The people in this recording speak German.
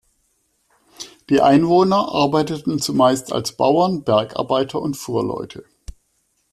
Die Einwohner arbeiteten zumeist als Bauern, Bergarbeiter und Fuhrleute.